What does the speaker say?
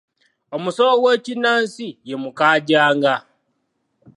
Omusawo w'ekinnansi ye Mukaajanga.